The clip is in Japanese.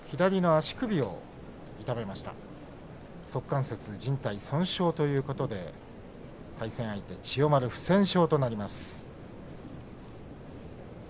足関節じん帯損傷ということで対戦相手千代丸は不戦勝となりました。